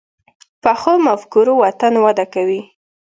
پخو مفکورو وطن وده کوي